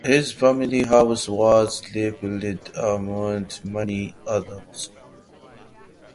His family house was levelled amongst many others.